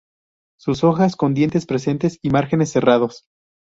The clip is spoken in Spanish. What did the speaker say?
Sus hojas con dientes presentes y márgenes serrados.